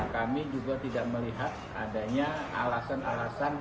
kami juga tidak melihat adanya alasan alasan